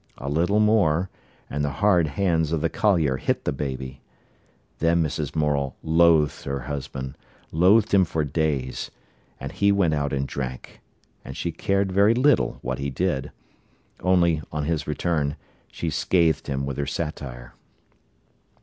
A little more, and the hard hands of the collier hit the baby. Then Mrs. Morel loathed her husband, loathed him for days; and he went out and drank; and she cared very little what he did. Only, on his return, she scathed him with her satire.